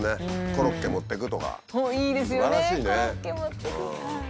「コロッケ持ってく？」。